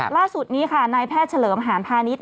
ล่าสุดนี้ค่ะนายแพทย์เฉลิมหานพาณิชย